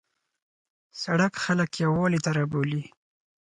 سړک خلک یووالي ته رابولي.